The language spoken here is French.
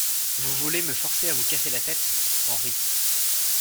Vous voulez me forcer à vous casser la tête ? HENRI.